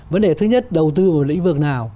vấn đề thứ nhất đầu tư vào lĩnh vực nào